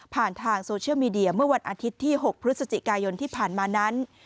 ทางโซเชียลมีเดียเมื่อวันอาทิตย์ที่๖พฤศจิกายนที่ผ่านมานั้น